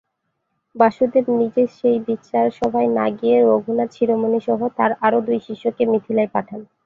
বাসুদেব নিজে সেই বিচার সভায় না গিয়ে রঘুনাথ শিরোমণি সহ তাঁর আরও দুই শিষ্যকে মিথিলায় পাঠান।